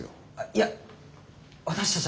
いや私たち